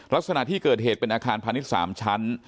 ลักษณะที่เกิดเหตุเป็นอาคารพาณิชย์๓ชั้น